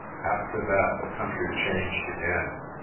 After that the country changed again.